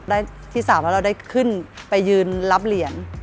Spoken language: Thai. ได้ที่๓แล้วเราได้ขึ้นไปยืนรับเหรียญ